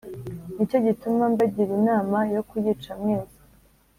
ni cyo gituma mbagira inama yo kuyica mwese